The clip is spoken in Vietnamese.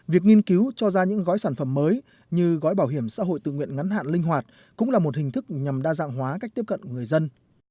việc nghiên cứu cho ra những gói sản phẩm mới như gói bảo hiểm xã hội tự nguyện ngắn hạn linh hoạt cũng là một hình thức nhằm đa dạng hóa cách tiếp cận người dân